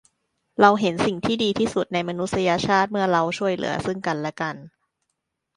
เราเห็นสิ่งที่ดีที่สุดในมนุษยชาติเมื่อเราช่วยเหลือซึ่งกันและกัน